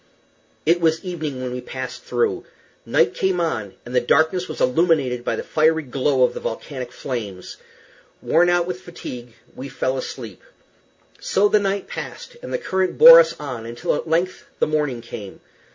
It was evening when we passed through. Night came on, and the darkness was illuminated by the fiery glow of the volcanic flames. Worn out with fatigue, we fell asleep. So the night passed, and the current bore us on until, at length, the morning came.